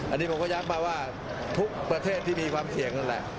อันนี้ผมก็ย้ำมาว่าทุกประเทศที่มีความเสี่ยงนั่นแหละ